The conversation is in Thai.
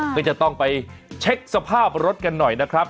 ก็จะต้องไปเช็คสภาพรถกันหน่อยนะครับ